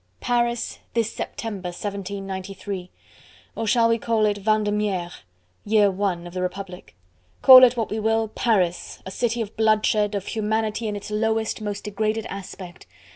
Paris this September 1793! or shall we call it Vendemiaire, Year I. of the Republic? call it what we will! Paris! a city of bloodshed, of humanity in its lowest, most degraded aspect.